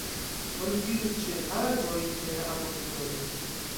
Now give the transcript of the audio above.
Oni vidu ĉe Agoj de la Apostoloj.